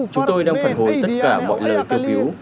chúng tôi đang phản hồi tất cả mọi lời kêu cứu